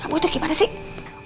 kamu itu gimana sih